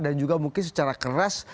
dan juga mungkin secara keras